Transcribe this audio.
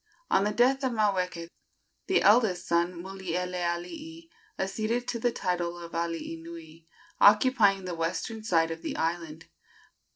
On the death of Maweke, the eldest son, Mulielealii, acceded to the title of alii nui, occupying the western side of the island.